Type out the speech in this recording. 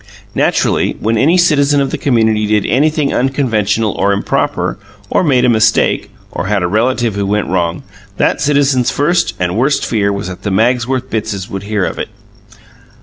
Naturally, when any citizen of the community did anything unconventional or improper, or made a mistake, or had a relative who went wrong, that citizen's first and worst fear was that the Magsworth Bittses would hear of it.